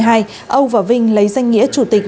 âu và vinh lấy danh nghĩa chủ tịch